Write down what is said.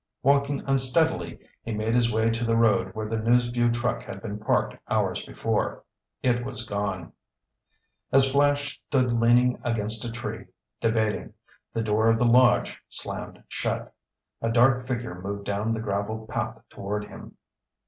Walking unsteadily, he made his way to the road where the News Vue truck had been parked hours before. It was gone. As Flash stood leaning against a tree, debating, the door of the lodge slammed shut. A dark figure moved down the gravel path toward him.